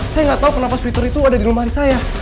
saya gak tau kenapa sweater itu ada di lemari saya